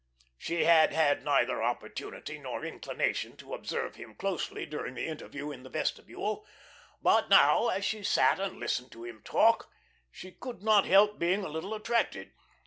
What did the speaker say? She had had neither opportunity nor inclination to observe him closely during their interview in the vestibule, but now, as she sat and listened to him talk, she could not help being a little attracted.